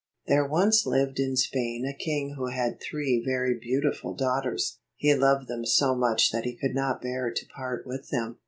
There once lived in Spain a king who had three very beautiful daughters. He loved them so much that he could not bear to part with them.